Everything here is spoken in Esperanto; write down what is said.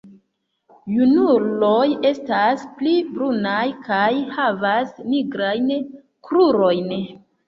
Junuloj estas pli brunaj kaj havas nigrajn krurojn.